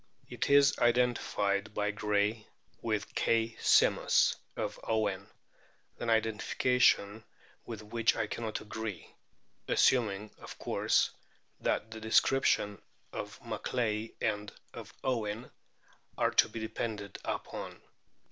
It is identified by Gray with K. simus of Owen, an identification with which I cannot agree (assuming, of course, that the descriptions of Macleay and of Owen are to be depended upon).